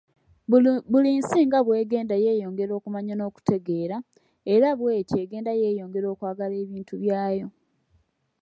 BULI nsi nga bw'egenda yeeyongera okumanya n'okutegeera, era bw'etyo egenda yeeyongera okwagala ebintu byayo.